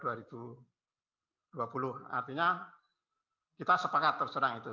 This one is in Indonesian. artinya kita sepakat terserang itu